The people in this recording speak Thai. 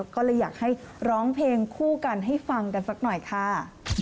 ก็เลยอยากให้ร้องเพลงคู่กันให้ฟังกันสักหน่อยค่ะ